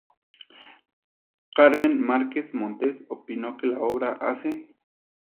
Carmen Márquez Montes opinó que la obra hace